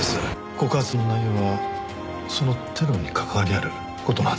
告発の内容はそのテロに関わりある事なんじゃないですか？